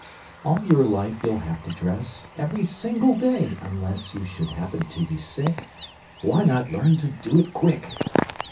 _ All your life you'll have to dress, Every single day (unless You should happen to be sick), Why not learn to do it quick?